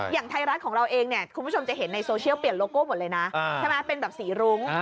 อย่างไทยรัฐของเราเองเนี่ยคุณผู้ชมจะเห็นในโซเชียลเปลี่ยนโลโก้หมดเลยนะใช่ไหมเป็นแบบสีรุ้ง